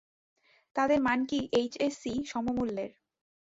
তাদের মান কি এইচএসসি সমমূল্যের?